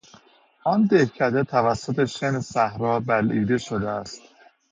آن دهکده توسط شن صحرا بلعیده شده است.